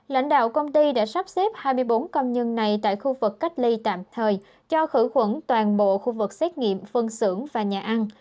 lãnh đạo công ty đã sắp xếp hai mươi bốn công nhân này tại khu vực cách ly tạm thời cho khử khuẩn toàn bộ khu vực xét nghiệm phân xưởng và nhà ăn